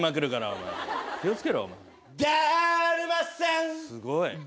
すごい。